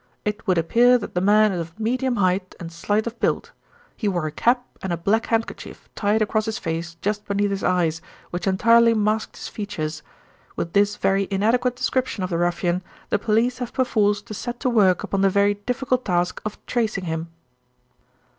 It would appear that the man is of medium height and slight of build. He wore a cap and a black handkerchief tied across his face just beneath his eyes, which entirely masked his features. With this very inadequate description of the ruffian the police have perforce to set to work upon the very difficult task of tracing him.